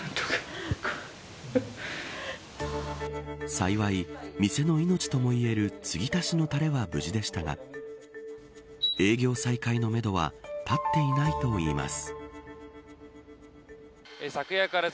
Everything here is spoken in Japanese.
幸い、店の命ともいえるつぎ足しのたれは無事でしたが営業再開のめどは立っていないということです。